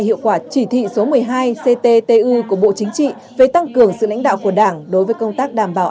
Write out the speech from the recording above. hiệu quả chỉ thị số một mươi hai cttu của bộ chính trị về tăng cường sự lãnh đạo của đảng đối với công tác đảm bảo